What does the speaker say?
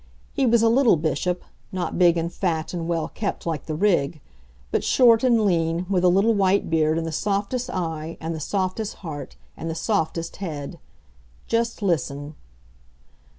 He was a little Bishop, not big and fat and well kept like the rig, but short and lean, with a little white beard and the softest eye and the softest heart and the softest head. Just listen.